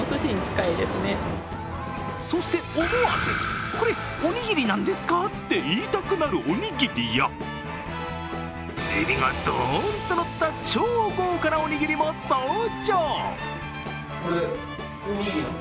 そして、思わず、これ、おにぎりなんですかって言いたくなるおにぎりやえびがドーンとのった超豪華なおにぎりも登場。